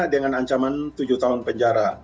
dengan ancaman tujuh tahun penjara